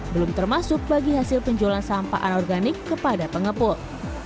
belum termasuk bagi hasil penjualan sampah anorganik kepada pengepul